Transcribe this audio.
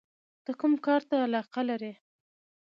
ته کوم کار ته علاقه لرې؟